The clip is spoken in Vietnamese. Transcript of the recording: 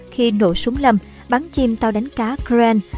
khi nổ súng lầm bắn chim tàu đánh cá grand